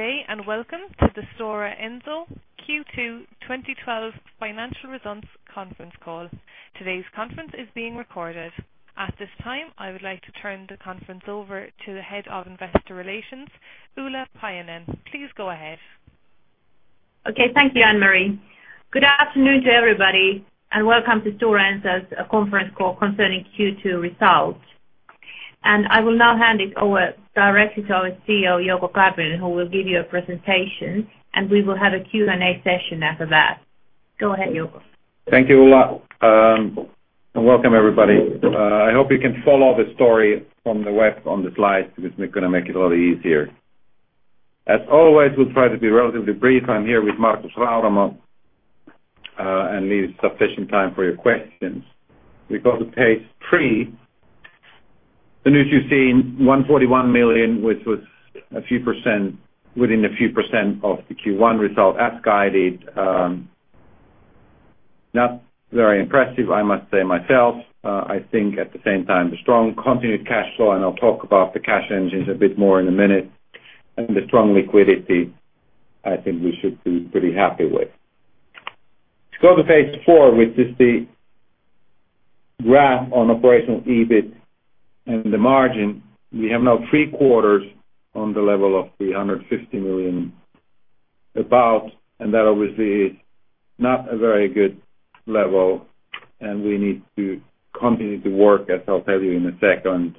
Good day, welcome to the Stora Enso Q2 2012 financial results conference call. Today's conference is being recorded. At this time, I would like to turn the conference over to the Head of Investor Relations, Ulla Paajanen-Sainio. Please go ahead. Okay. Thank you, Anne-Mari. Good afternoon to everybody, and welcome to Stora Enso's conference call concerning Q2 results. I will now hand it over directly to our CEO, Jouko Karvinen, who will give you a presentation, and we will have a Q&A session after that. Go ahead, Jouko. Thank you, Ulla. Welcome everybody. I hope you can follow the story from the web on the slides, because it's going to make it a lot easier. As always, we'll try to be relatively brief. I'm here with Markus Rauramo, and leave sufficient time for your questions. We go to page three. The news you've seen, 141 million, which was within a few percent of the Q1 result as guided. Not very impressive, I must say myself. I think at the same time, the strong continued cash flow, and I'll talk about the cash engines a bit more in a minute, and the strong liquidity, I think we should be pretty happy with. If you go to page four, which is the graph on operational EBIT and the margin. We have now three quarters on the level of 350 million about. That obviously is not a very good level and we need to continue to work, as I'll tell you in a second,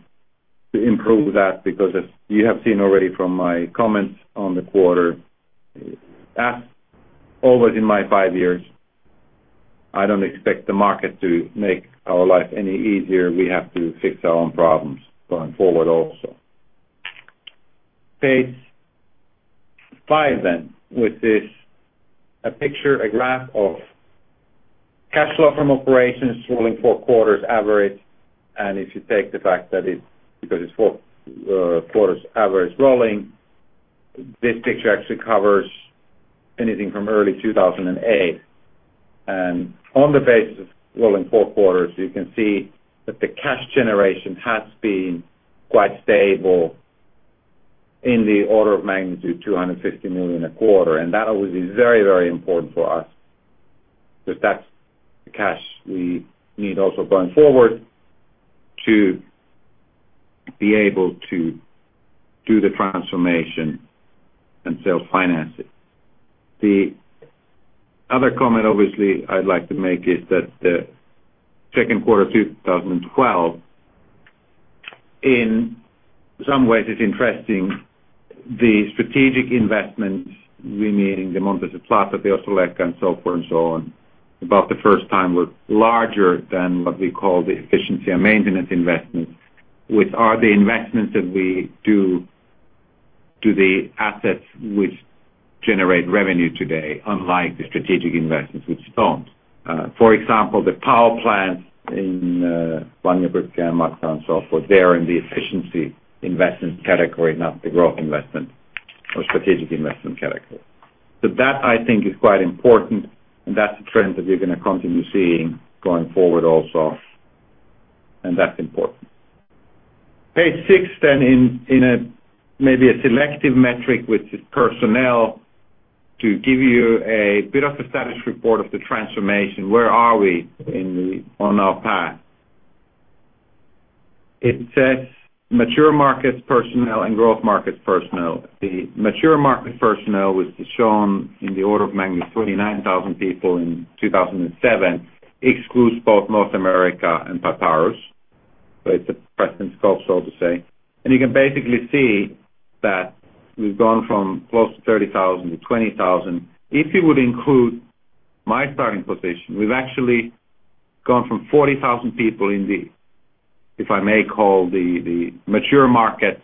to improve that, because as you have seen already from my comments on the quarter, as always in my five years, I don't expect the market to make our life any easier. We have to fix our own problems going forward also. Page five then, which is a picture, a graph of cash flow from operations, rolling four quarters average. If you take the fact that because it's four quarters average rolling, this picture actually covers anything from early 2008. On the basis of rolling four quarters, you can see that the cash generation has been quite stable in the order of magnitude 250 million a quarter. That obviously is very important for us, because that's the cash we need also going forward to be able to do the transformation and self-finance it. The other comment, obviously, I'd like to make is that the Q2 2012, in some ways it's interesting, the strategic investments remaining the Montes del Plata, the Ostrołęka and so forth and so on. About the first time were larger than what we call the efficiency and maintenance investments, which are the investments that we do to the assets which generate revenue today, unlike the strategic investments which don't. For example, the power plants in Vanjöbruk and [Markta] and so forth, they're in the efficiency investment category, not the growth investment or strategic investment category. That I think is quite important and that's a trend that we're going to continue seeing going forward also. That's important. Page six, in maybe a selective metric, which is personnel, to give you a bit of a status report of the transformation. Where are we on our path? It says mature markets personnel and growth markets personnel. The mature market personnel, which is shown in the order of magnitude 39,000 people in 2007, excludes both North America and Papyrus. It's a present scope, so to say. You can basically see that we've gone from close to 30,000 to 20,000. If you would include my starting position, we've actually gone from 40,000 people in the, if I may call the mature market,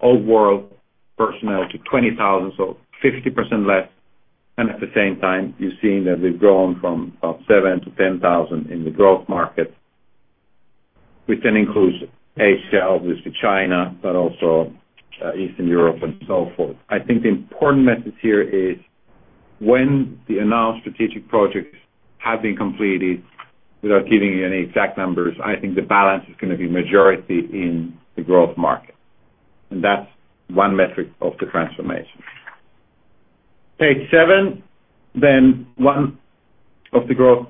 old world personnel to 20,000, 50% less. At the same time, you're seeing that we've grown from about seven to 10,000 in the growth market, which then includes [ACL], obviously China, but also Eastern Europe and so forth. I think the important message here is when the announced strategic projects have been completed, without giving you any exact numbers, I think the balance is going to be majority in the growth market. That's one metric of the transformation. Page seven, one of the growth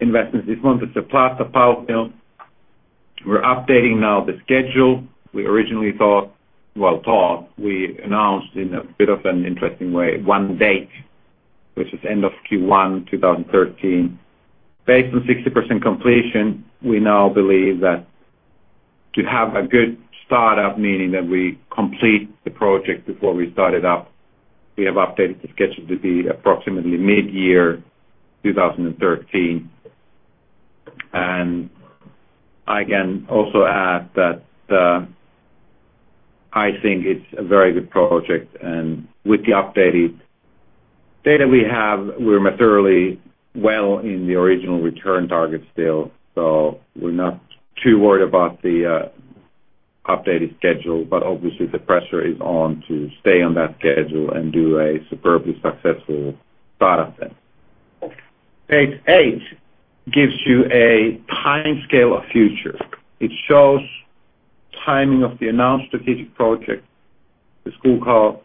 investments is Montes del Plata power plant. We're updating now the schedule. We originally thought, we announced in a bit of an interesting way, one date, which is end of Q1 2013. Based on 60% completion, we now believe that to have a good startup, meaning that we complete the project before we start it up, we have updated the schedule to be approximately mid-year 2013. I can also add that I think it's a very good project and with the updated data we have, we're materially well in the original return target still. We're not too worried about the updated schedule, but obviously the pressure is on to stay on that schedule and do a superbly successful start up then. Page eight gives you a timescale of future. It shows timing of the announced strategic project, the Skoghall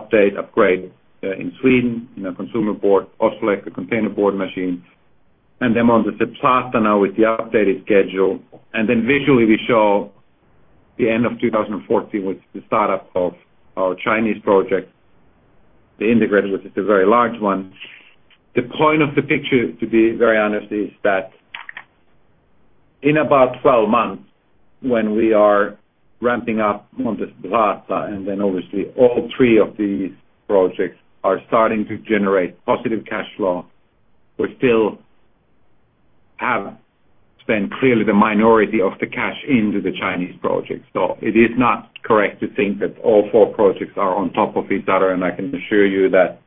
update upgrade in Sweden, in our consumer board, Ostrołęka containerboard machine, and on the Montes del Plata now with the updated schedule. Visually we show the end of 2014 with the startup of our Chinese project, the integrated mill, which is a very large one. The point of the picture, to be very honest, is that in about 12 months when we are ramping up on the Montes del Plata, and obviously all three of these projects are starting to generate positive cash flow, we still have spent clearly the minority of the cash into the Chinese project. It is not correct to think that all four projects are on top of each other. I can assure you that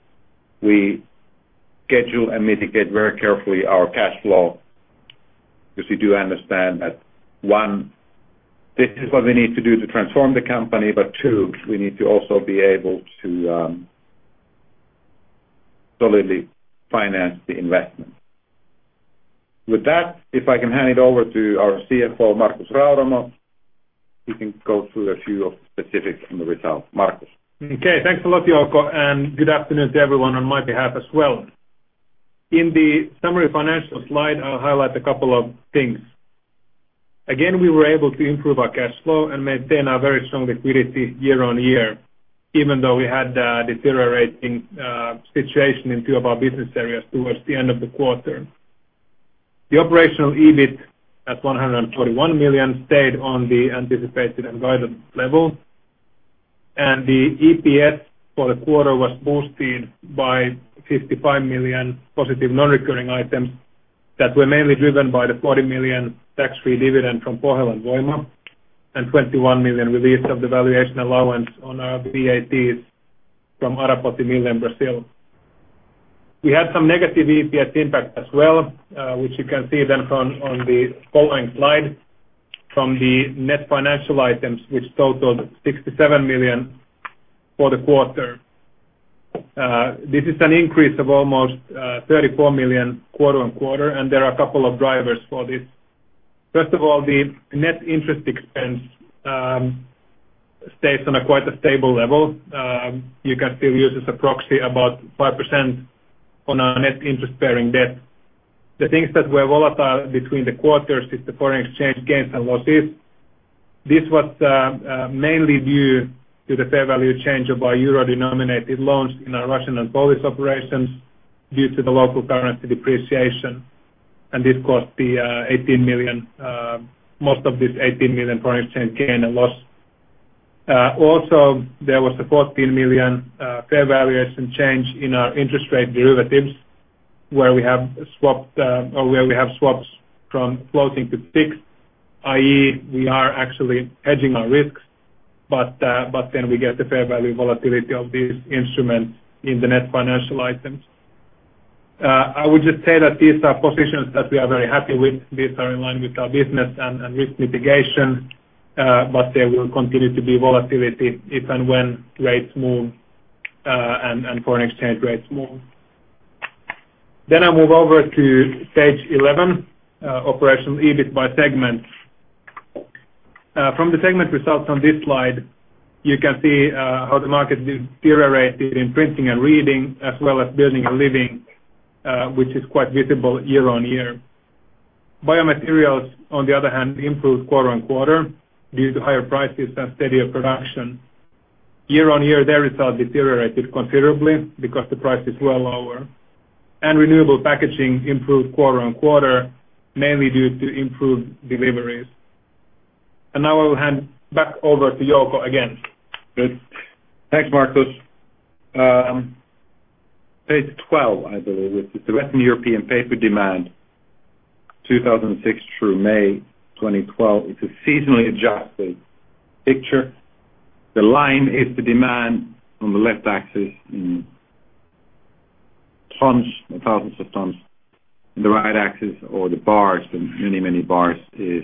we schedule and mitigate very carefully our cash flow, because we do understand that, one, this is what we need to do to transform the company. Two, we need to also be able to solidly finance the investment. With that, if I can hand it over to our CFO, Markus Rauramo. He can go through a few specifics on the results. Markus. Okay. Thanks a lot, Jouko, good afternoon to everyone on my behalf as well. In the summary financial slide, I'll highlight a couple of things. Again, we were able to improve our cash flow and maintain our very strong liquidity year-on-year, even though we had a deteriorating situation in two of our business areas towards the end of the quarter. The operational EBIT at 121 million stayed on the anticipated and guided level. The EPS for the quarter was boosted by 55 million positive non-recurring items that were mainly driven by the 40 million tax-free dividend from Pohjolan Voima and 21 million release of the valuation allowance on our VAT from Arapoti Mill in Brazil. We had some negative EPS impact as well, which you can see then on the following slide from the net financial items, which totaled 67 million for the quarter. This is an increase of almost 34 million quarter-on-quarter. There are a couple of drivers for this. First of all, the net interest expense stays on a quite a stable level. You can still use as a proxy about 5% on our net interest bearing debt. The things that were volatile between the quarters is the foreign exchange gains and losses. This was mainly due to the fair value change of our euro-denominated loans in our Russian and Polish operations due to the local currency depreciation. This cost most of this 18 million foreign exchange gain and loss. There was the 14 million fair valuation change in our interest rate derivatives, where we have swaps from floating to fixed, i.e., we are actually hedging our risks, we get the fair value volatility of these instruments in the net financial items. I would just say that these are positions that we are very happy with. These are in line with our business and risk mitigation, there will continue to be volatility if and when rates move, and foreign exchange rates move. I move over to page 11, operational EBIT by segment. From the segment results on this slide, you can see how the market deteriorated in Printing and Reading, as well as Building and Living, which is quite visible year-on-year. Biomaterials, on the other hand, improved quarter-on-quarter due to higher prices and steadier production. Year-on-year, their results deteriorated considerably because the price is well lower. Renewable Packaging improved quarter-on-quarter, mainly due to improved deliveries. Now I will hand back over to Jouko again. Good. Thanks, Markus. Page 12, I believe, which is the Western European paper demand 2006 through May 2012. It's a seasonally adjusted picture. The line is the demand on the left axis in thousands of tons. The right axis or the many bars is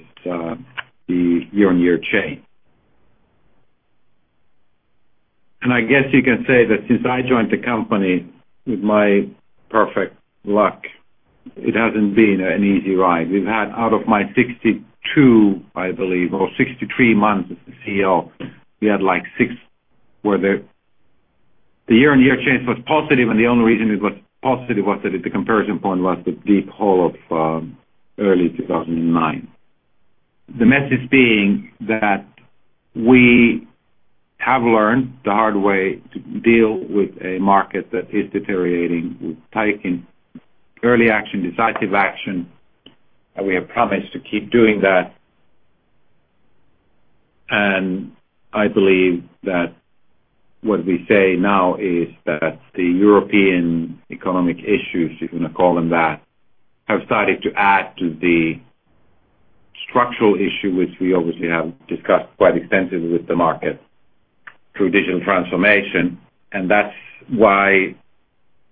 the year-on-year change. I guess you can say that since I joined the company, with my perfect luck, it hasn't been an easy ride. We've had out of my 62, I believe, or 63 months as the CEO, we had six where the year-on-year change was positive, and the only reason it was positive was that the comparison point was the deep hole of early 2009. The message being that we have learned the hard way to deal with a market that is deteriorating. We've taken early action, decisive action, and we have promised to keep doing that. I believe that what we say now is that the European economic issues, if you want to call them that, have started to add to the structural issue, which we obviously have discussed quite extensively with the market through digital transformation. That's why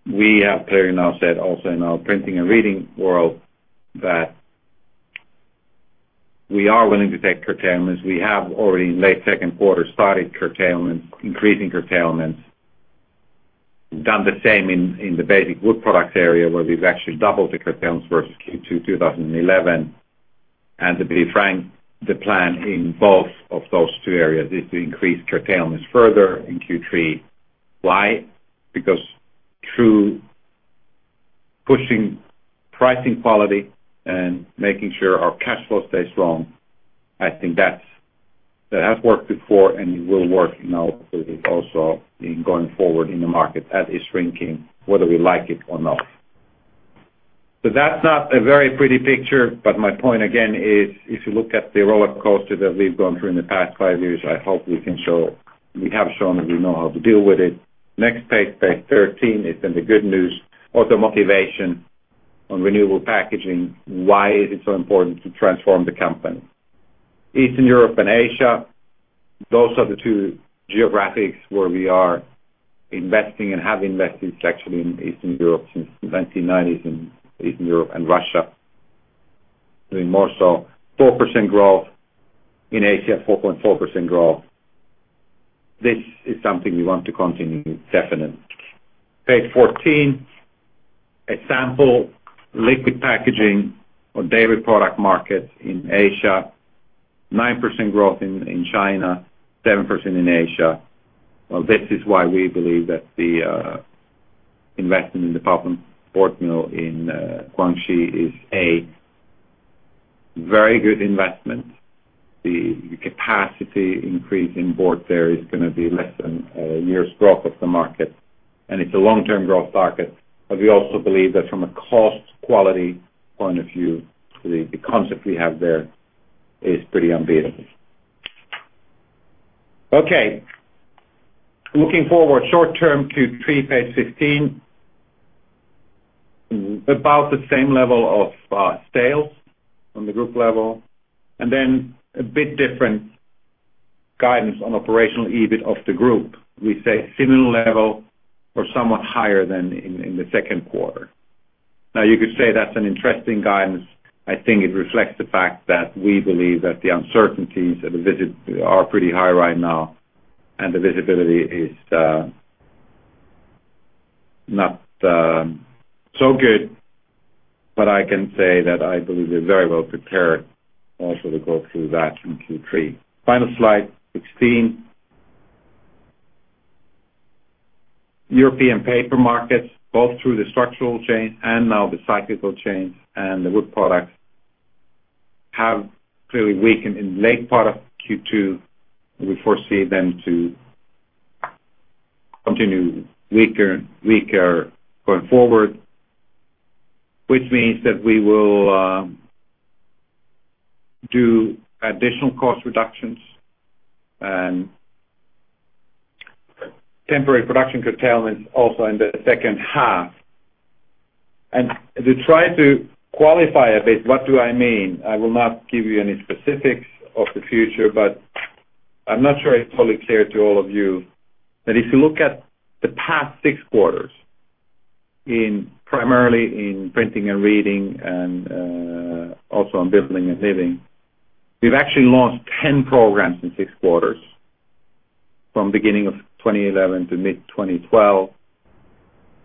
we have clearly now said also in our Printing and Reading world that we are willing to take curtailments. We have already, late second quarter, started curtailment, increasing curtailments. Done the same in the basic wood products area, where we've actually doubled the curtailments versus Q2 2011. To be frank, the plan in both of those two areas is to increase curtailments further in Q3. Why? Because through pushing pricing quality and making sure our cash flow stays strong, I think that has worked before and it will work now as we've also been going forward in the market that is shrinking, whether we like it or not. That's not a very pretty picture. My point, again, is if you look at the rollercoaster that we've gone through in the past five years, I hope we have shown that we know how to deal with it. Next page 13, is then the good news. Also motivation on Renewable Packaging. Why is it so important to transform the company? Eastern Europe and Asia, those are the two geographics where we are investing and have invested, actually, in Eastern Europe since the 1990s, in Eastern Europe and Russia. In more so 4% growth. In Asia, 4.4% growth. This is something we want to continue, definitely. Page 14. A sample liquid packaging or dairy product market in Asia, 9% growth in China, 7% in Asia. This is why we believe that the investment in the pulp and board mill in Guangxi is a very good investment. The capacity increase in board there is going to be less than a mere stroke of the market, and it's a long-term growth market. We also believe that from a cost/quality point of view, the concept we have there is pretty unbeatable. Okay. Looking forward short-term, Q3, page 15. About the same level of sales on the group level, a bit different guidance on operational EBIT of the group. We say similar level or somewhat higher than in the second quarter. You could say that's an interesting guidance. I think it reflects the fact that we believe that the uncertainties are pretty high right now, and the visibility is not so good. I can say that I believe we're very well prepared also to go through that in Q3. Final slide, 16. European paper markets, both through the structural change and now the cyclical change, and the wood products have clearly weakened in the late part of Q2. We foresee them to continue weaker going forward, which means that we will do additional cost reductions and temporary production curtailment also in the second half. To try to qualify a bit, what do I mean? I will not give you any specifics of the future, I'm not sure it's totally clear to all of you that if you look at the past six quarters, primarily in Printing and Reading and also in Building and Living, we've actually launched 10 programs in six quarters from beginning of 2011 to mid-2012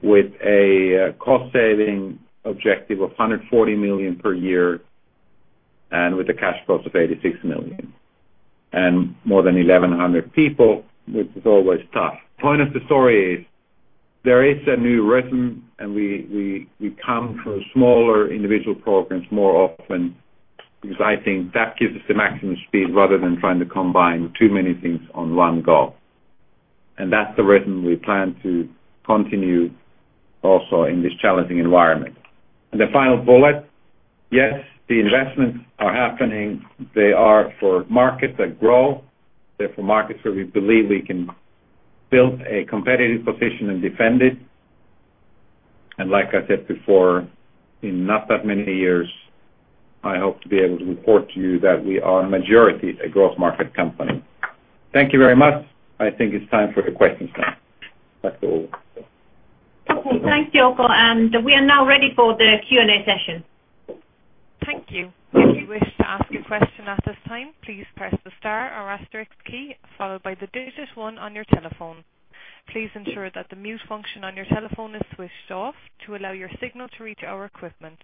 with a cost-saving objective of 140 million per year and with a cash cost of 86 million. More than 1,100 people, which is always tough. Point of the story is there is a new rhythm, we come from smaller individual programs more often because I think that gives us the maximum speed rather than trying to combine too many things on one goal. That's the rhythm we plan to continue also in this challenging environment. The final bullet. Yes, the investments are happening. They are for markets that grow. They're for markets where we believe we can build a competitive position and defend it. Like I said before, in not that many years, I hope to be able to report to you that we are majority a growth market company. Thank you very much. I think it's time for the questions now. Back to all. Okay. Thanks, Jouko. We are now ready for the Q&A session. Thank you. If you wish to ask a question at this time, please press the star or asterisk key followed by the digit one on your telephone. Please ensure that the mute function on your telephone is switched off to allow your signal to reach our equipment.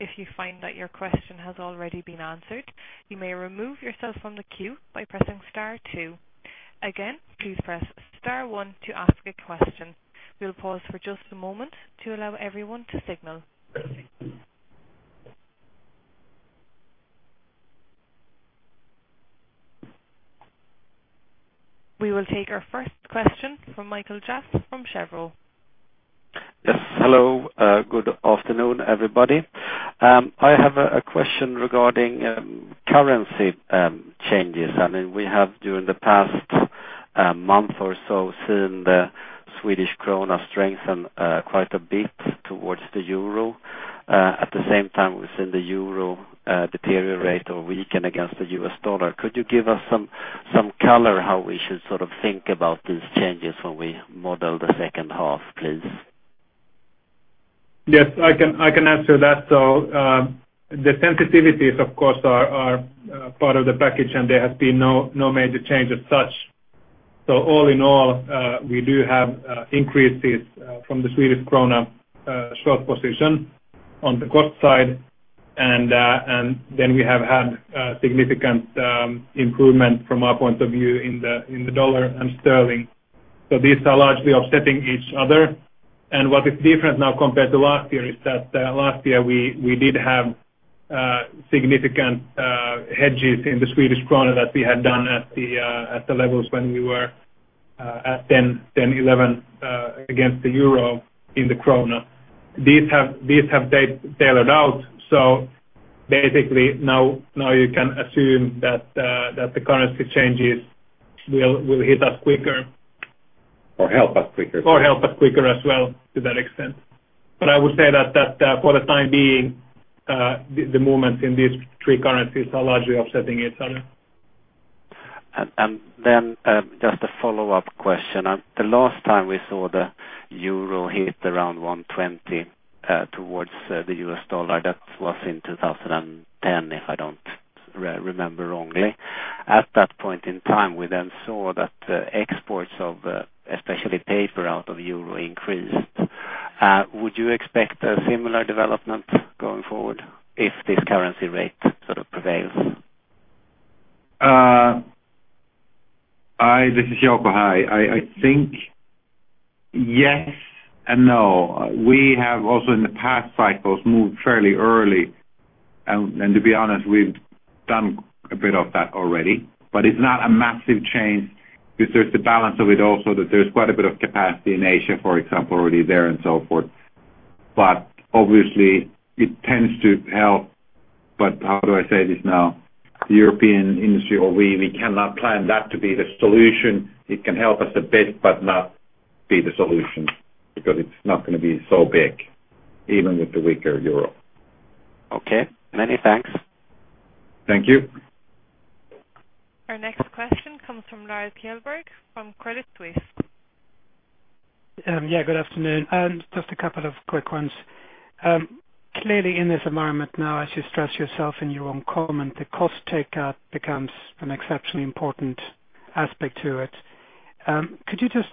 If you find that your question has already been answered, you may remove yourself from the queue by pressing star two. Again, please press star one to ask a question. We'll pause for just a moment to allow everyone to signal. We will take our first question from Mikael Jåfs from Cheuvreux. Hello. Good afternoon, everybody. I have a question regarding currency changes. We have, during the past month or so, seen the SEK strengthen quite a bit towards the EUR. At the same time, we've seen the EUR deteriorate or weaken against the U.S. dollar. Could you give us some color how we should sort of think about these changes when we model the second half, please? I can answer that. The sensitivities, of course, are part of the package, and there has been no major change as such. All in all, we do have increases from the SEK short position on the cost side. We have had significant improvement from our point of view in the U.S. dollar and GBP. These are largely offsetting each other. What is different now compared to last year is that last year we did have significant hedges in the SEK that we had done at the levels when we were at 10, 11 against the EUR in the SEK. These have tailed out, so basically now you can assume that the currency changes will hit us quicker. Help us quicker. Help us quicker as well to that extent. I would say that for the time being, the movements in these three currencies are largely offsetting each other. Just a follow-up question. The last time we saw the EUR hit around 120 towards the US dollar, that was in 2010, if I don't remember wrongly. At that point in time, we then saw that exports of, especially paper out of EUR increased. Would you expect a similar development going forward if this currency rate sort of prevails? This is Jouko, hi. I think yes and no. We have also in the past cycles, moved fairly early, and to be honest, we've done a bit of that already. It's not a massive change because there's the balance of it also that there's quite a bit of capacity in Asia, for example, already there and so forth. Obviously it tends to help. How do I say this now? European industry or we cannot plan that to be the solution. It can help us a bit, but not be the solution because it's not going to be so big even with the weaker EUR. Okay. Many thanks. Thank you. Our next question comes from Lars Kjellberg from Credit Suisse. Yeah, good afternoon. Just a couple of quick ones. Clearly in this environment now, as you stress yourself in your own comment, the cost takeout becomes an exceptionally important aspect to it. Could you just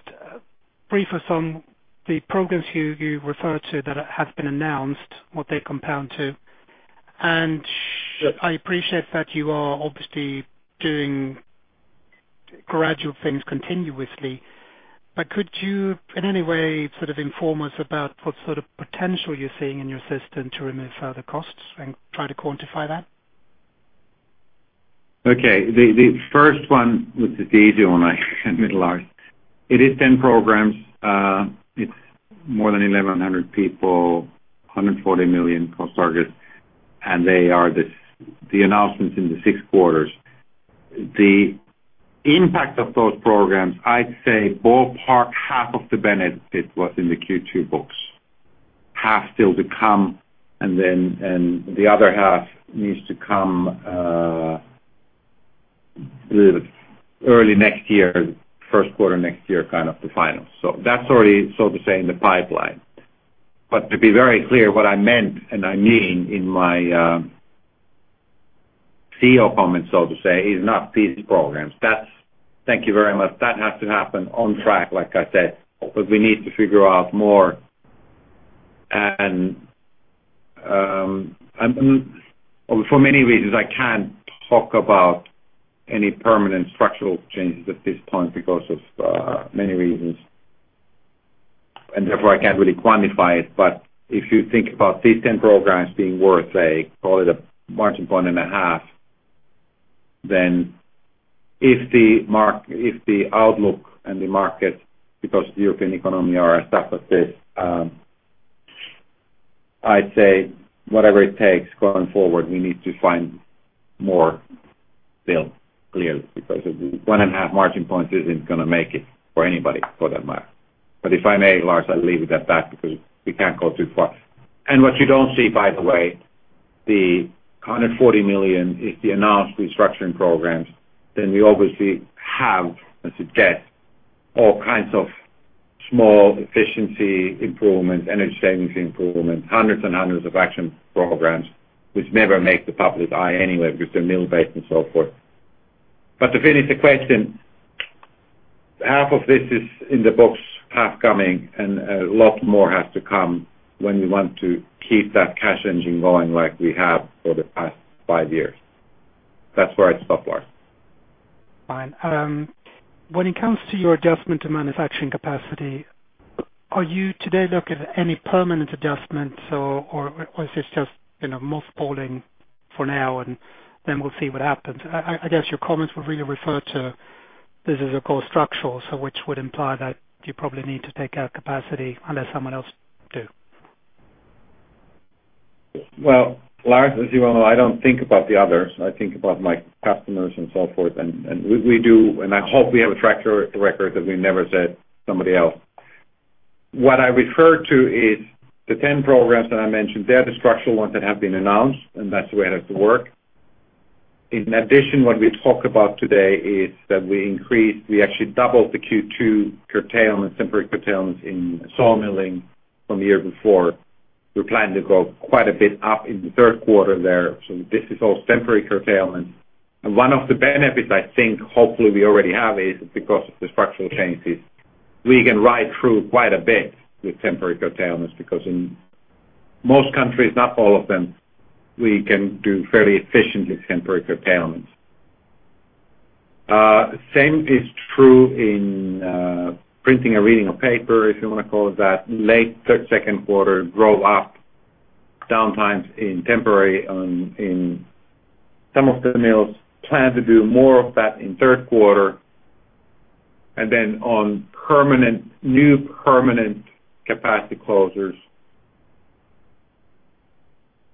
brief us on the progress you referred to that has been announced, what they compound to? I appreciate that you are obviously doing gradual things continuously, but could you in any way sort of inform us about what sort of potential you're seeing in your system to remove further costs and try to quantify that? Okay. The first one, which is the easy one, and middle large. It is 10 programs. It is more than 1,100 people, 140 million cost targets, and they are the announcements in the six quarters. The impact of those programs, I'd say ballpark half of the benefit was in the Q2 books, half still to come, and the other half needs to come early next year, first quarter next year, kind of the finals. That's already, so to say, in the pipeline. To be very clear, what I meant and I mean in my CEO comment, so to say, is not these programs. Thank you very much. That has to happen on track, like I said, but we need to figure out more. For many reasons, I can't talk about any permanent structural changes at this point because of many reasons, and therefore I can't really quantify it. If you think about these 10 programs being worth, call it a margin point and a half, then if the outlook and the market, because the European economy are as tough as this, I'd say whatever it takes going forward, we need to find more still, clearly. One and a half margin points isn't going to make it for anybody for that matter. If I may, Lars, I'll leave it at that because we can't go too far. What you don't see, by the way, the 140 million is the announced restructuring programs, then we obviously have, as it gets, all kinds of small efficiency improvement, energy savings improvement, hundreds and hundreds of action programs which never make the public eye anyway because they're mill-based and so forth. To finish the question, half of this is in the books, half coming, a lot more has to come when you want to keep that cash engine going like we have for the past five years. That's where I'd stop, Lars. Fine. When it comes to your adjustment to manufacturing capacity, are you today looking at any permanent adjustments, is this just mothballing for now, then we'll see what happens? I guess your comments would really refer to this as, of course, structural, which would imply that you probably need to take out capacity unless someone else do. Lars, as you well know, I don't think about the others. I think about my customers and so forth. I hope we have a track record that we never said somebody else. What I refer to is the 10 programs that I mentioned. They are the structural ones that have been announced, that's the way it has to work. In addition, what we talk about today is that we increased, we actually doubled the Q2 temporary curtailments in sawmilling from the year before. We plan to go quite a bit up in the third quarter there. This is all temporary curtailment. One of the benefits I think hopefully we already have is because of the structural changes. We can ride through quite a bit with temporary curtailments, because in most countries, not all of them, we can do fairly efficiently temporary curtailments. Same is true in Printing and Reading of paper, if you want to call it that. Late second quarter, grow up downtimes in temporary in some of the mills. Plan to do more of that in third quarter then on new permanent capacity closures.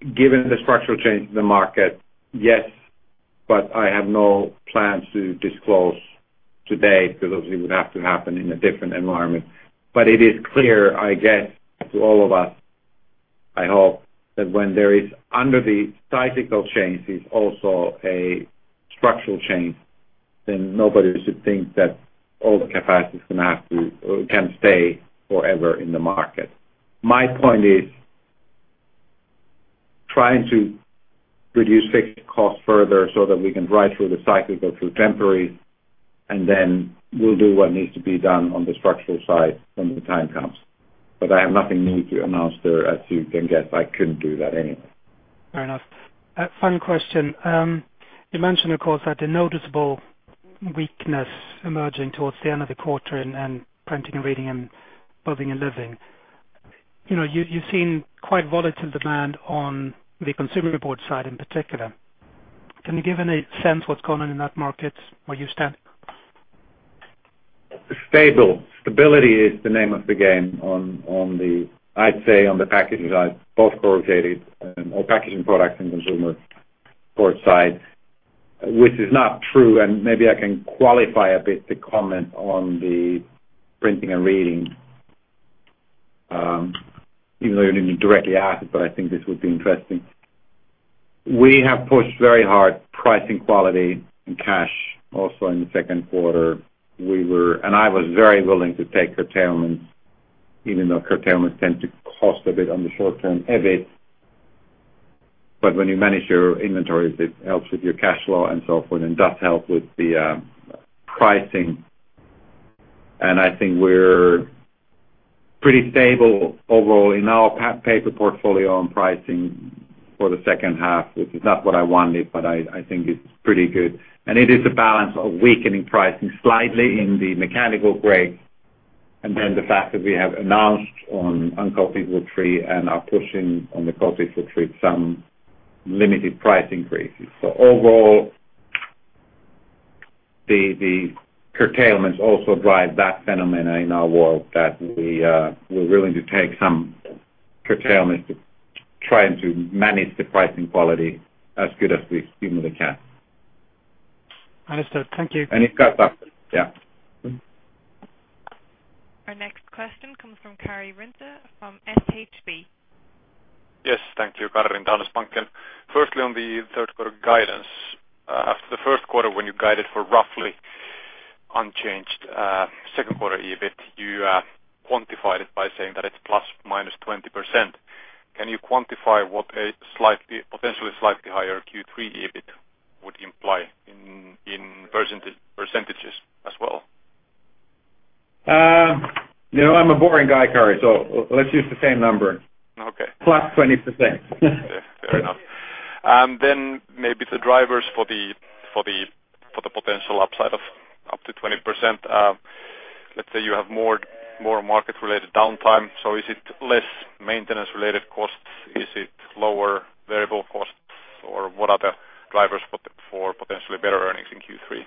Given the structural change in the market, yes, I have no plans to disclose today because it would have to happen in a different environment. It is clear, I guess, to all of us, I hope, that when there is under the cyclical changes also a structural change, then nobody should think that all the capacity can stay forever in the market. My point is trying to reduce fixed costs further so that we can ride through the cycle, go through temporary, then we'll do what needs to be done on the structural side when the time comes. I have nothing new to announce there, as you can guess. I couldn't do that anyway. Fair enough. Final question. You mentioned, of course, that the noticeable weakness emerging towards the end of the quarter in Printing and Reading and Building and Living. You've seen quite volatile demand on the Consumer Board side in particular. Can you give any sense what's going on in that market, where you stand? Stable. Stability is the name of the game, I'd say, on the packaging side, both packaging products and Consumer Board side, which is not true, maybe I can qualify a bit the comment on the Printing and Reading. Even though you didn't directly ask, I think this would be interesting. We have pushed very hard pricing quality and cash also in the second quarter. I was very willing to take curtailments even though curtailments tend to cost a bit on the short-term EBIT. When you manage your inventories, it helps with your cash flow and so forth, it does help with the pricing. I think we're pretty stable overall in our paper portfolio on pricing for the second half. Which is not what I wanted, I think it's pretty good. It is a balance of weakening pricing slightly in the mechanical grade. The fact that we have announced on uncoated woodfree and are pushing on the coated woodfree some limited price increases. Overall, the curtailments also drive that phenomena in our world that we're willing to take some curtailments to trying to manage the pricing quality as good as we humanly can. Understood. Thank you. It got up. Yeah. Our next question comes from Karri Rinta from SHB. Yes. Thank you. Karri Rinta. [inaudible] On the third quarter guidance. After the first quarter, when you guided for roughly unchanged second quarter EBIT, you quantified it by saying that it is ±20%. Can you quantify what a potentially slightly higher Q3 EBIT would imply in % as well? You know I am a boring guy, Karri, let us use the same number. Okay. Plus 20%. Yeah, fair enough. Then maybe the drivers for the potential upside of up to 20%. Let us say you have more market-related downtime. Is it less maintenance-related costs? Is it lower variable costs? What are the drivers for potentially better earnings in Q3?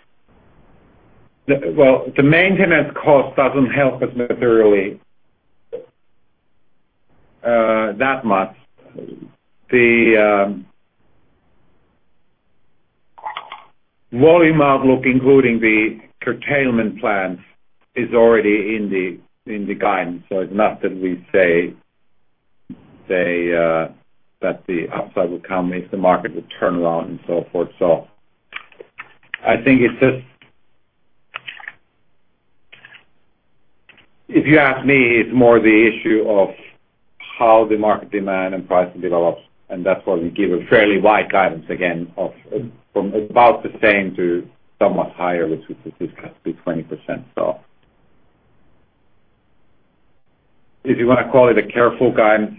The maintenance cost doesn't help us materially that much. The volume outlook, including the curtailment plans, is already in the guidance. It's not that we say that the upside will come if the market would turn around and so forth. I think it's just, if you ask me, it's more the issue of how the market demand and pricing develops, and that's why we give a fairly wide guidance again of from about the same to somewhat higher, which would discuss the 20%. If you want to call it a careful guidance,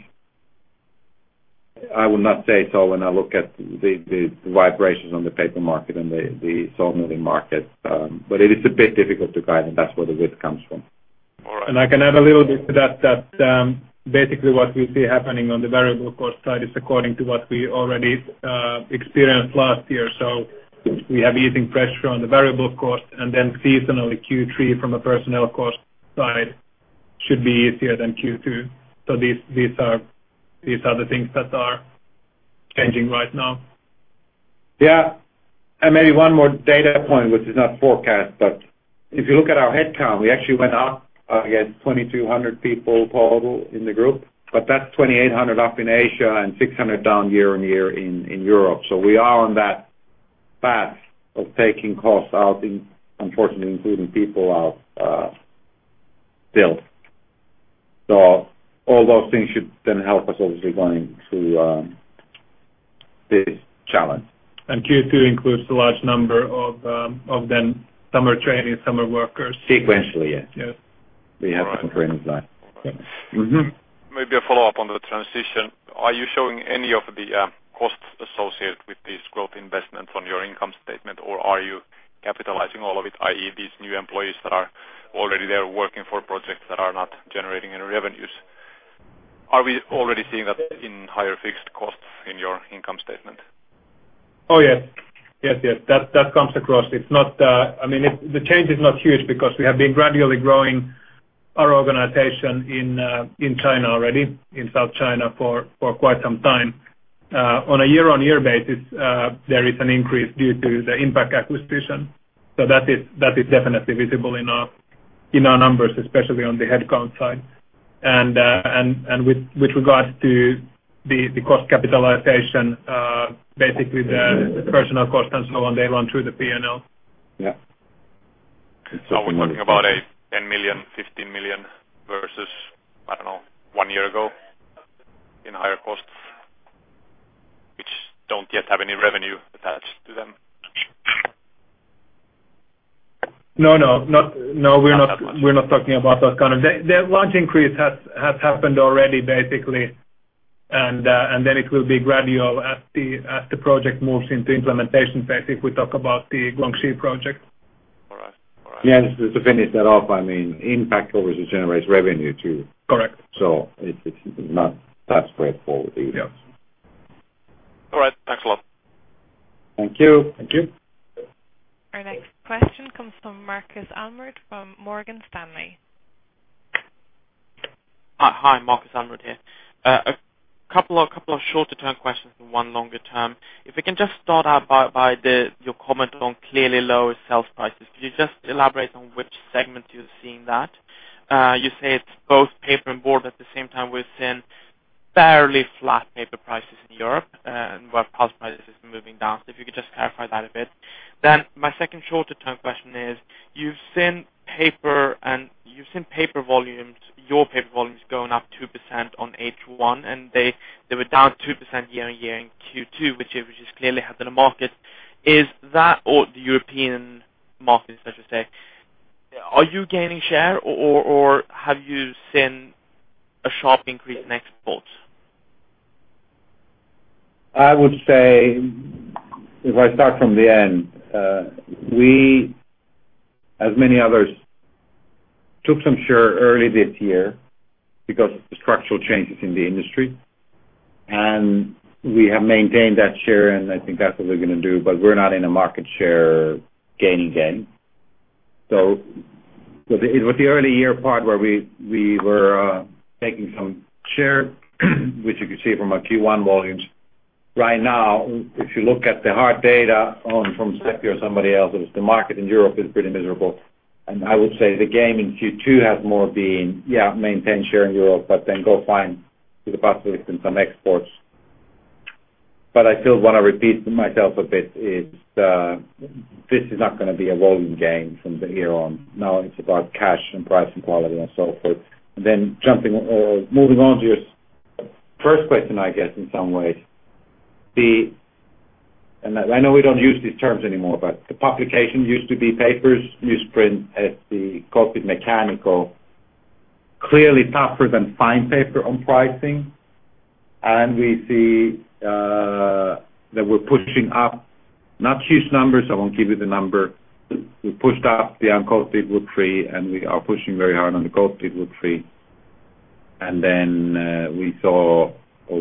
I will not say so when I look at the wide variations on the paper market and the saw milling market. It is a bit difficult to guide, and that's where the width comes from. All right. I can add a little bit to that basically what we see happening on the variable cost side is according to what we already experienced last year. We have easing pressure on the variable cost and then seasonally Q3 from a personnel cost side should be easier than Q2. These are the things that are changing right now. Yeah. Maybe one more data point, which is not forecast, but If you look at our headcount, we actually went up against 2,200 people total in the group, but that's 2,800 up in Asia and 600 down year-on-year in Europe. We are on that path of taking costs out, unfortunately including people out still. All those things should then help us, obviously, going through this challenge. Q2 includes a large number of then summer trainees, summer workers. Sequentially, yes. Yes. We have some trends like that. Maybe a follow-up on the transition. Are you showing any of the costs associated with these growth investments on your income statement, or are you capitalizing all of it, i.e., these new employees that are already there working for projects that are not generating any revenues? Are we already seeing that in higher fixed costs in your income statement? Oh, yes. That comes across. The change is not huge because we have been gradually growing our organization in China already, in South China for quite some time. On a year-on-year basis, there is an increase due to the impact acquisition. That is definitely visible in our numbers, especially on the headcount side. With regards to the cost capitalization, basically the personal cost and so on, they run through the P&L. Yeah. Are we talking about a 10 million, 15 million versus, I don't know, one year ago in higher costs? Which don't yet have any revenue attached to them. No. Not that much We're not talking about those. The large increase has happened already, basically. It will be gradual as the project moves into implementation phase, if we talk about the Guangxi project. All right. Yes. To finish that off, impact obviously generates revenue too. Correct. It's not that straightforward either. Yeah. All right. Thanks a lot. Thank you. Thank you. Our next question comes from Marcus Almerud from Morgan Stanley. Marcus Almrud here. A couple of shorter-term questions and one longer term. We can just start out by your comment on clearly lower sales prices. Could you just elaborate on which segment you're seeing that? You say it's both paper and board at the same time, we've seen fairly flat paper prices in Europe, where pulp prices has been moving down. If you could just clarify that a bit. My second shorter-term question is, you've seen paper volumes, your paper volumes going up 2% on H1, they were down 2% year-on-year in Q2, which is clearly happened in the market. Is that, or the European market, I should say, are you gaining share or have you seen a sharp increase in exports? I would say, I start from the end. We, as many others, took some share early this year because of the structural changes in the industry, we have maintained that share, I think that's what we're going to do, we're not in a market share gaining game. It was the early year part where we were taking some share, which you could see from our Q1 volumes. Right now, you look at the hard data from CEPI or somebody else, the market in Europe is pretty miserable. I would say the game in Q2 has more been, yeah, maintain share in Europe, go find the possibilities in some exports. I still want to repeat myself a bit, is this is not going to be a volume game from here on. It's about cash and price and quality and so forth. Moving on to your first question, I guess, in some ways. I know we don't use these terms anymore, the publication used to be papers, newsprint as the coated mechanical, clearly tougher than fine paper on pricing. We see that we're pushing up, not huge numbers, I won't give you the number. We pushed up the uncoated woodfree, we are pushing very hard on the coated woodfree.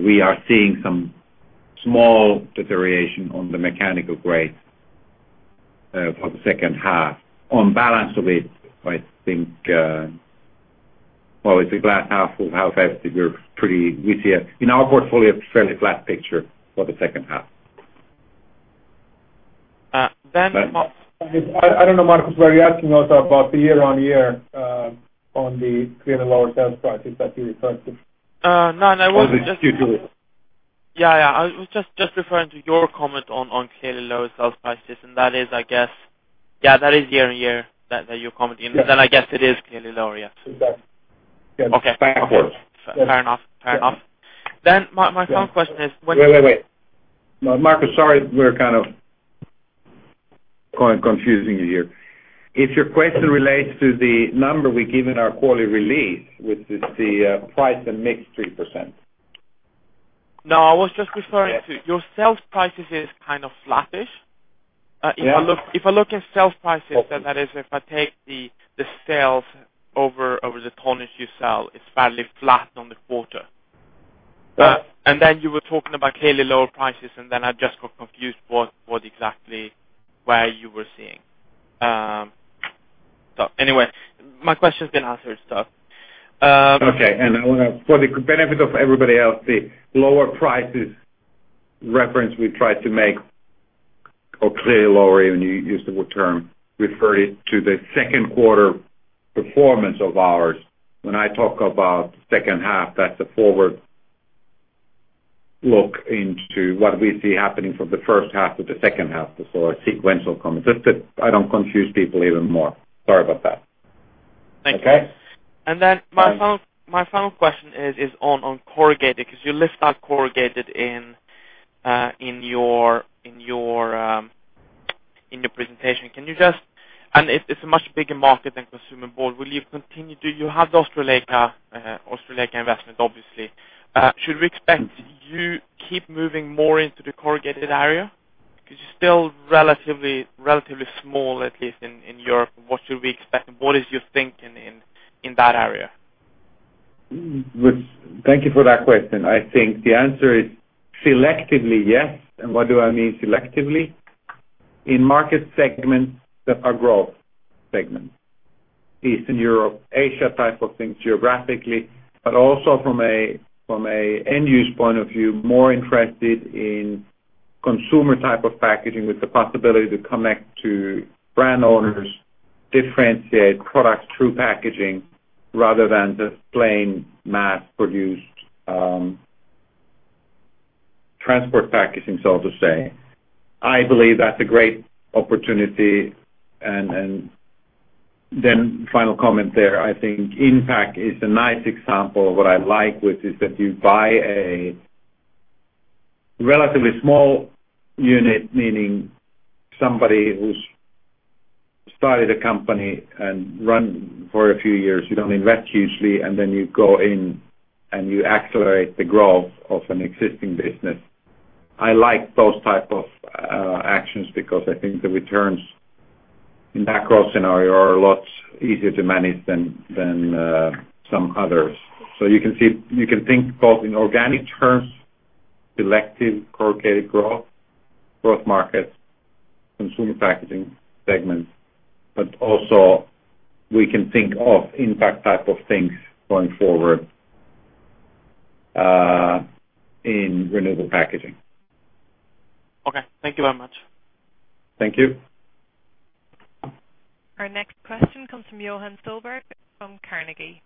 We are seeing some small deterioration on the mechanical grade for the second half. On balance of it, I think, well, it's a glass half full, half empty. In our portfolio, it's a fairly flat picture for the second half. Then- I don't know, Marcus, were you asking also about the year-on-year on the clearly lower sales prices that he referred to? No. Only Q2. Yeah. I was just referring to your comment on clearly lower sales prices, and that is, I guess, yeah, that is year-on-year that you're commenting. Yes. I guess it is clearly lower, yeah. Exactly. Okay. Backwards. Fair enough. My second question is Wait. No, Marcus, sorry, we're kind of confusing you here. If your question relates to the number we give in our quality release, which is the price and mix 3%. I was just referring to your sales prices is kind of flattish. Yeah. If I look at sales prices, that is if I take the sales over the tonnage you sell, it's fairly flat on the quarter. Yeah. You were talking about clearly lower prices, I just got confused what exactly, where you were seeing. My question's been answered. I want to, for the benefit of everybody else, the lower prices reference we tried to make, or clearly lower, even you use the term, refer it to the second quarter performance of ours. When I talk about the second half, that's a forward look into what we see happening from the first half to the second half before our sequential comment. Just that I don't confuse people even more. Sorry about that. Thank you. Okay? My final question is on corrugated, because you list out corrugated in your presentation. It's a much bigger market than consumer board. You have the Ostroleka investment, obviously. Should we expect you keep moving more into the corrugated area? Because you're still relatively small, at least in Europe. What should we expect? What is your thinking in that area? Thank you for that question. I think the answer is selectively, yes. What do I mean selectively? In market segments that are growth segments. Eastern Europe, Asia type of things geographically, but also from an end-use point of view, more interested in consumer type of packaging with the possibility to connect to brand owners, differentiate products through packaging, rather than just plain mass-produced transport packaging, so to say. I believe that's a great opportunity. Then final comment there, I think Impact is a nice example of what I like, which is that you buy a relatively small unit, meaning somebody who's started a company and run for a few years. You don't invest hugely, then you go in and you accelerate the growth of an existing business. I like those type of actions because I think the returns in that growth scenario are a lot easier to manage than some others. You can think both in organic terms, selective corrugated growth markets, consumer packaging segments, but also we can think of Impact type of things going forward in renewable packaging. Thank you very much. Thank you. Our next question comes from Johan Sjöberg from Carnegie.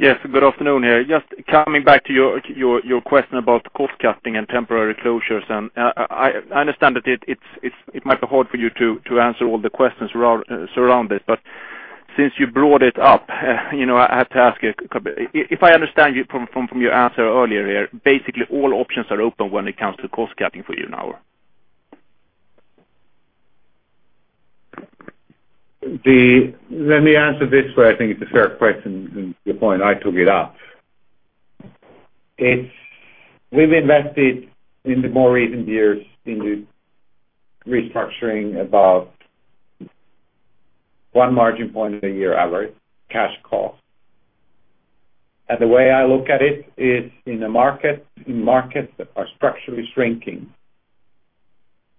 Yes, good afternoon. Just coming back to your question about cost cutting and temporary closures. I understand that it might be hard for you to answer all the questions around this, but since you brought it up, I have to ask you. If I understand you from your answer earlier, basically all options are open when it comes to cost cutting for you now. Let me answer this way. I think it's a fair question, the point I took it up. We've invested in the more recent years into restructuring about one margin point in a year, average cash cost. The way I look at it is in markets that are structurally shrinking,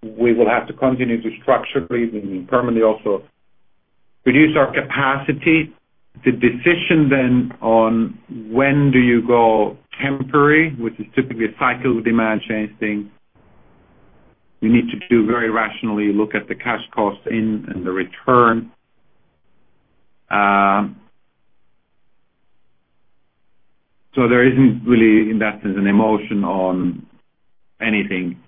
we will have to continue to structurally, meaning permanently also, reduce our capacity. The decision then on when do you go temporary, which is typically a cycle demand chain thing, you need to do very rationally, look at the cash cost in and the return. There isn't really investment and emotion on anything.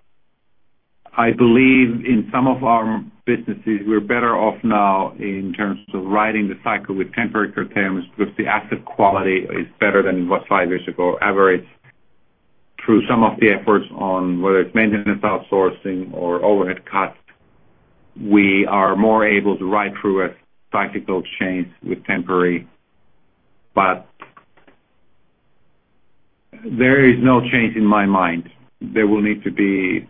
I believe in some of our businesses, we're better off now in terms of riding the cycle with temporary terms because the asset quality is better than it was five years ago, average. Through some of the efforts on whether it's maintenance outsourcing or overhead cuts, we are more able to ride through a cyclical change with temporary. There is no change in my mind. There will need to be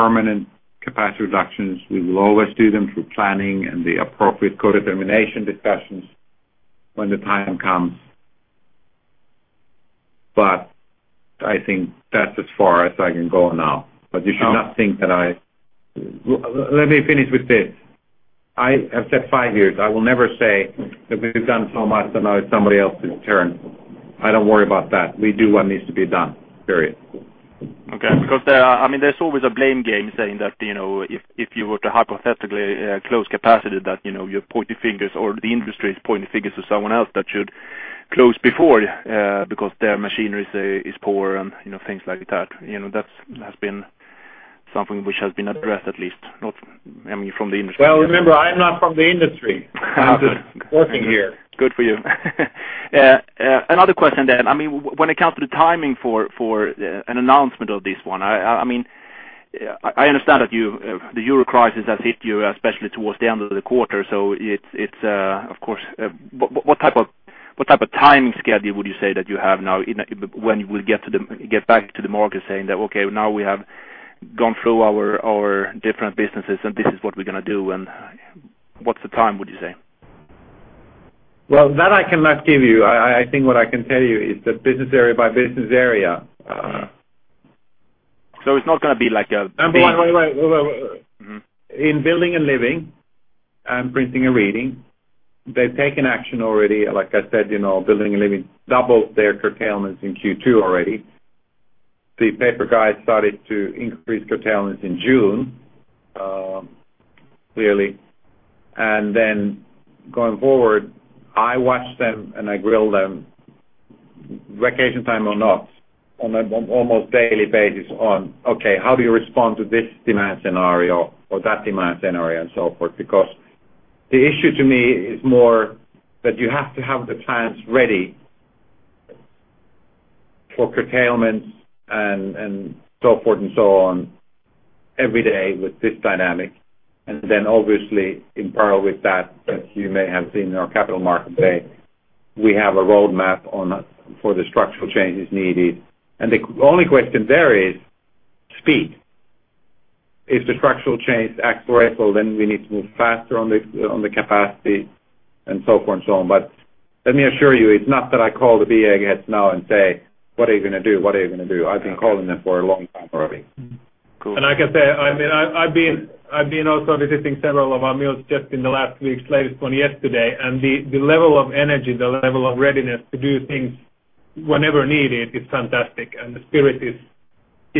permanent capacity reductions. We will always do them through planning and the appropriate co-determination discussions when the time comes. I think that's as far as I can go now. You should not think that. Let me finish with this. I have said five years. I will never say that we've done so much, and now it's somebody else's turn. I don't worry about that. We do what needs to be done, period. Okay. There's always a blame game saying that if you were to hypothetically close capacity, that you're pointing fingers or the industry is pointing fingers to someone else that should close before, because their machinery is poor and things like that. That has been something which has been addressed, at least, I mean, from the industry. Well, remember, I am not from the industry. I'm just working here. Good for you. Another question then. When it comes to the timing for an announcement of this one, I understand that the Euro crisis has hit you, especially towards the end of the quarter. Of course, what type of timing schedule would you say that you have now when we get back to the market saying that, okay, now we have gone through our different businesses and this is what we're going to do, and what's the time, would you say? Well, that I cannot give you. I think what I can tell you is that business area by business area It's not going to be like. Wait. In Building and Living, and Printing and Reading, they've taken action already. Like I said, Building and Living doubled their curtailments in Q2 already. The paper guys started to increase curtailments in June, clearly. Then going forward, I watch them and I grill them, vacation time or not, on an almost daily basis on, okay, how do you respond to this demand scenario or that demand scenario and so forth. The issue to me is more that you have to have the plans ready for curtailments and so forth and so on every day with this dynamic. Then obviously in parallel with that, as you may have seen in our capital market day, we have a roadmap for the structural changes needed. The only question there is speed. If the structural change is actuarial, then we need to move faster on the capacity and so forth and so on. Let me assure you, it's not that I call the BA heads now and say, "What are you going to do? I've been calling them for a long time already. Cool. I can say, I've been also visiting several of our mills just in the last week, latest one yesterday. The level of energy, the level of readiness to do things whenever needed is fantastic. The spirit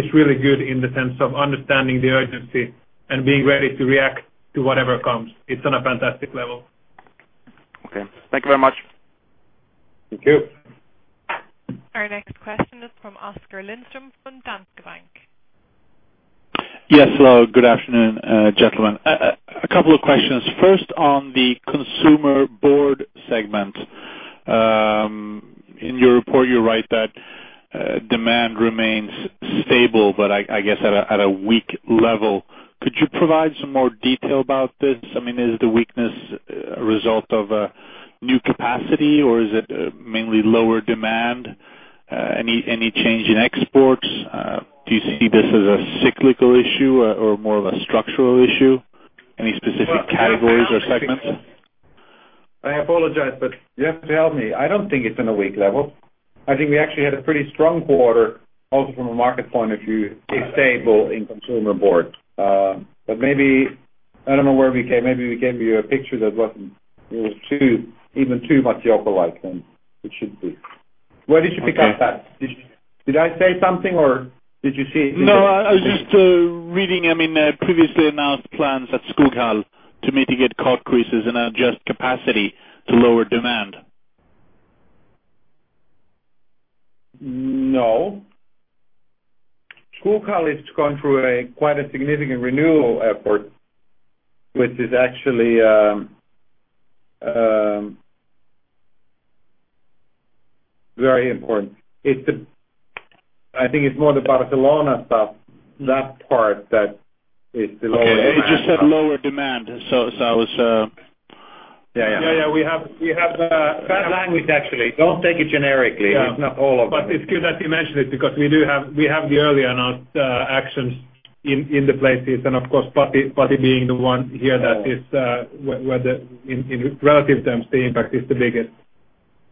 is really good in the sense of understanding the urgency and being ready to react to whatever comes. It's on a fantastic level. Okay. Thank you very much. Thank you. Our next question is from Oskar Lindström from Danske Bank. Yes, hello. Good afternoon, gentlemen. A couple of questions. First, on the consumer board segment. In your report, you write that demand remains stable, but I guess at a weak level. Could you provide some more detail about this? Is the weakness a result of new capacity or is it mainly lower demand? Any change in exports? Do you see this as a cyclical issue or more of a structural issue? Any specific categories or segments? I apologize, you have to help me. I don't think it's in a weak level. I think we actually had a pretty strong quarter, also from a market point of view, stable in consumer board. Maybe, I don't know where we came, maybe we gave you a picture that it was even too much yoga-like than it should be. Where did you pick up that? Did I say something or did you see- No, I was just reading previously announced plans at Skoghall to mitigate cost increases and adjust capacity to lower demand. No. Skoghall is going through quite a significant renewal effort, which is actually very important. I think it's more the Barcelona stuff, that part that is the lower demand. Okay. It just said lower demand. Yeah. We have bad language, actually. Don't take it generically. It's not all of it. It's good that you mentioned it because we have the early announced actions in the places, and of course, Páty being the one here that is, in relative terms, the impact is the biggest.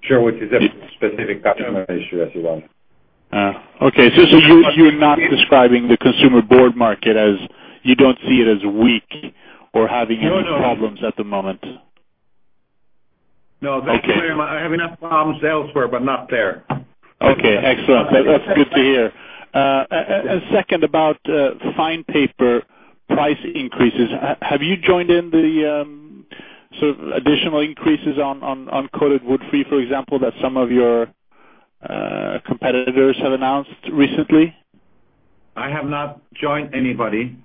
Sure. Which is a specific customer issue as you want. Okay. You're not describing the consumer board market as, you don't see it as weak or having any problems at the moment? No. Okay. I have enough problems elsewhere, but not there. Okay. Excellent. That's good to hear. A second about fine paper price increases. Have you joined in the additional increases on coated woodfree, for example, that some of your competitors have announced recently? I have not joined anybody,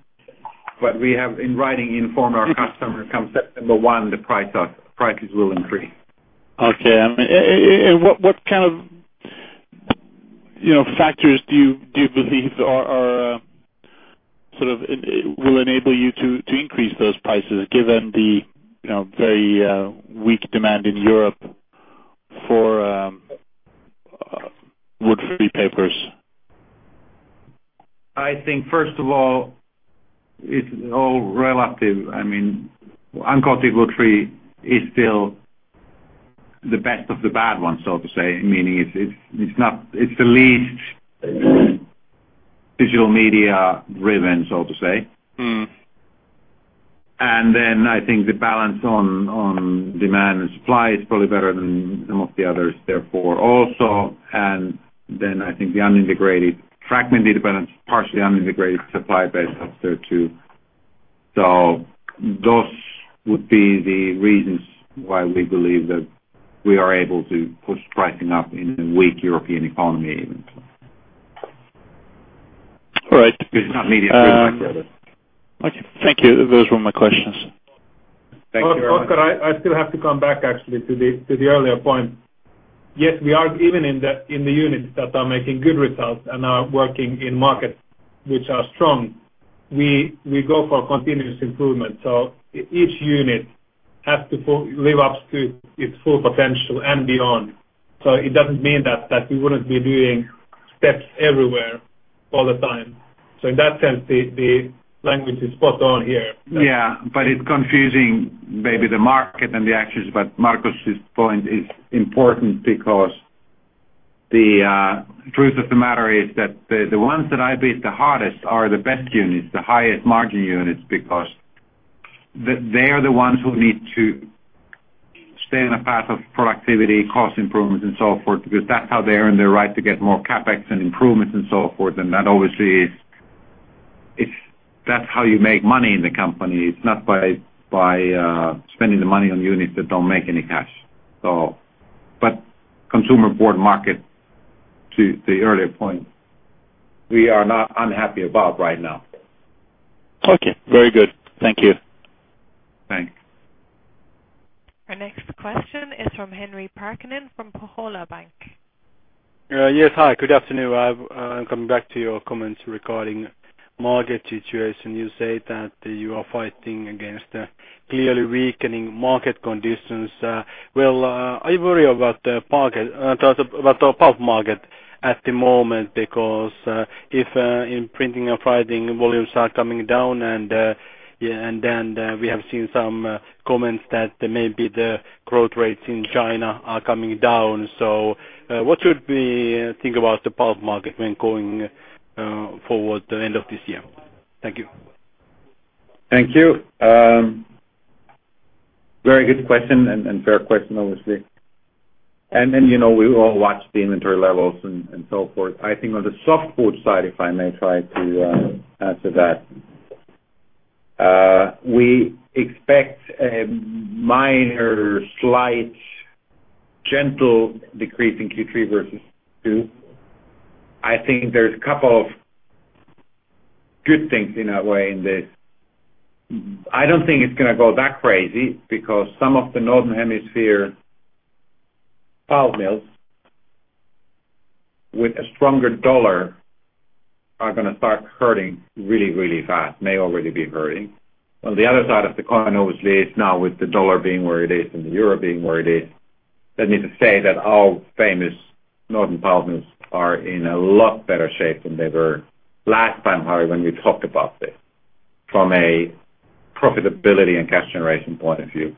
but we have, in writing, informed our customer, come September 1, the prices will increase. Okay. What kind of factors do you believe will enable you to increase those prices given the very weak demand in Europe for wood-free papers? I think first of all, it's all relative. Uncoated woodfree is still the best of the bad ones, so to say, meaning it's the least digital media driven, so to say. I think the balance on demand and supply is probably better than most of the others, therefore also. I think the unintegrated, fragmented, but partially unintegrated supply base helps there, too. Those would be the reasons why we believe that we are able to push pricing up in a weak European economy even. All right. It's not media free, but rather Okay. Thank you. Those were my questions. Thank you very much. Oskar, I still have to come back actually to the earlier point. Yes, even in the units that are making good results and are working in markets which are strong, we go for continuous improvement. Each unit has to live up to its full potential and beyond. It doesn't mean that we wouldn't be doing steps everywhere all the time. In that sense, the language is spot on here. Yeah. It's confusing maybe the market and the actions, Markus' point is important because the truth of the matter is that the ones that I beat the hardest are the best units, the highest margin units, because they are the ones who need to stay on a path of productivity, cost improvements, and so forth, because that's how they earn their right to get more CapEx and improvements and so forth. That obviously is, that's how you make money in the company. It's not by spending the money on units that don't make any cash. Consumer board market, to the earlier point, we are not unhappy about right now. Okay. Very good. Thank you. Thanks. Our next question is from Henri Parkkinen from Pohjola Bank. Yes, hi, good afternoon. I am coming back to your comments regarding market situation. You say that you are fighting against clearly weakening market conditions. Well, I worry about the pulp market at the moment because if in Printing and Reading, volumes are coming down, and then we have seen some comments that maybe the growth rates in China are coming down. What should we think about the pulp market when going forward the end of this year? Thank you. Thank you. Very good question and fair question, obviously. You know we all watch the inventory levels and so forth. I think on the softwood side, if I may try to answer that. We expect a minor, slight, gentle decrease in Q3 versus Q2. I think there is a couple of good things in a way in this. I do not think it is going to go that crazy because some of the Northern Hemisphere pulp mills, with a stronger U.S. dollar, are going to start hurting really, really fast. May already be hurting. On the other side of the coin, obviously, is now with the dollar being where it is and the euro being where it is, let me just say that our famous northern pulp mills are in a lot better shape than they were last time, Henri, when we talked about this, from a profitability and cash generation point of view.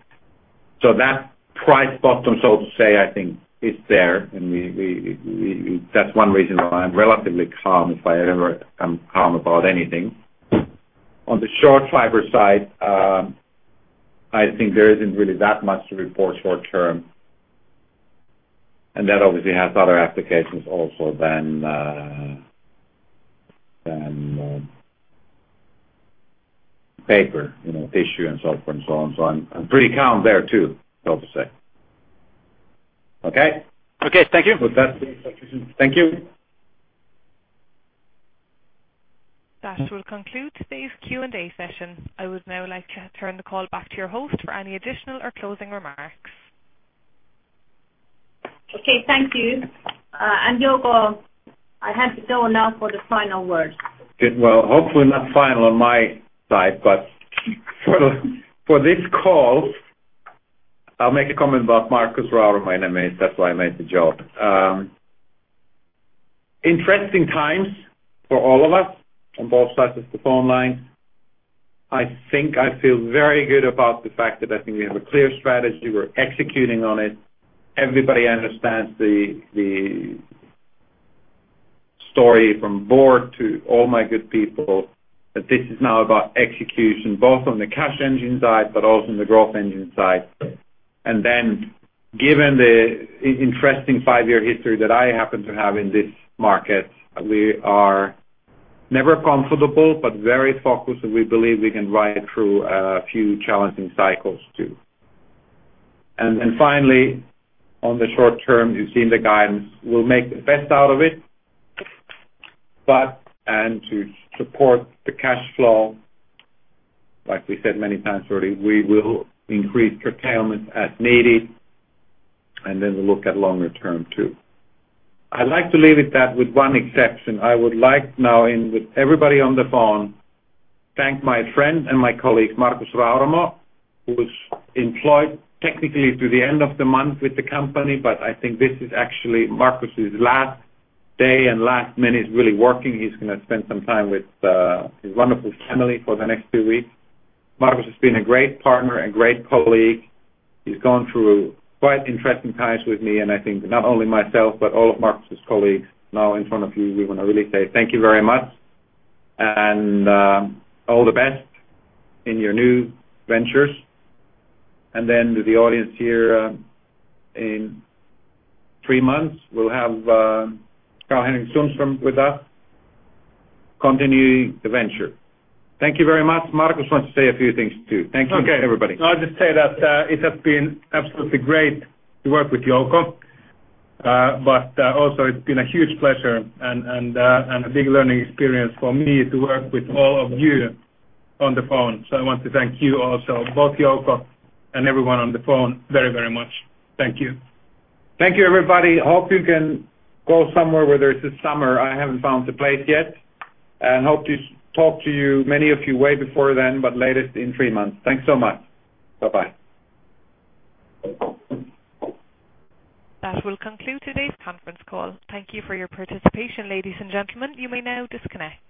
That price bottom, so to say, I think is there, and that's one reason why I'm relatively calm, if I ever am calm about anything. On the short fiber side, I think there isn't really that much to report short term. That obviously has other applications also than paper, tissue and so forth and so on. I'm pretty calm there too, so to say. Okay? Okay. Thank you. Thank you. That will conclude today's Q&A session. I would now like to turn the call back to your host for any additional or closing remarks. Okay, thank you. Jouko, I hand it to you now for the final word. Good. Well, hopefully not final on my side, but for this call. I'll make a comment about Markus Rauramo in a minute. That's why I made the joke. Interesting times for all of us on both sides of the phone line. I think I feel very good about the fact that I think we have a clear strategy. We're executing on it. Everybody understands the story from board to all my good people, that this is now about execution, both on the cash engine side, but also on the growth engine side. Given the interesting five-year history that I happen to have in this market, we are never comfortable, but very focused, and we believe we can ride through a few challenging cycles, too. Finally, on the short term, you've seen the guidance. We'll make the best out of it. To support the cash flow, like we said many times already, we will increase curtailment as needed, and then we'll look at longer term, too. I'd like to leave it that with one exception. I would like now with everybody on the phone, thank my friend and my colleague, Markus Rauramo, who's employed technically to the end of the month with the company. I think this is actually Markus' last day and last minute he's really working. He's going to spend some time with his wonderful family for the next few weeks. Markus has been a great partner and great colleague. He's gone through quite interesting times with me, and I think not only myself, but all of Markus' colleagues now in front of you, we want to really say thank you very much and all the best in your new ventures. To the audience here, in three months, we'll have Karl-Henrik Sundström with us continuing the venture. Thank you very much. Markus wants to say a few things, too. Thank you, everybody. Okay. I'll just say that it has been absolutely great to work with Jouko. Also it's been a huge pleasure and a big learning experience for me to work with all of you on the phone. I want to thank you also, both Jouko and everyone on the phone very much. Thank you. Thank you, everybody. Hope you can go somewhere where there's a summer. I haven't found a place yet. Hope to talk to you, many of you way before then, but latest in three months. Thanks so much. Bye-bye. That will conclude today's conference call. Thank you for your participation, ladies and gentlemen. You may now disconnect.